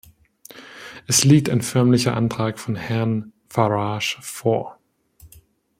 Es liegt ein förmlicher Antrag von Herrn Farage vor.